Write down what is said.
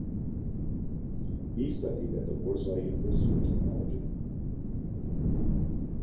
He studied at the Warsaw University of Technology.